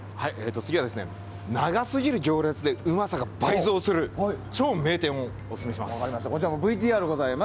次は長すぎる行列でうまさが倍増するこちらもＶＴＲあります。